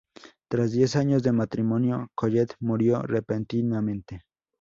Tras diez años de matrimonio, Collett murió repentinamente.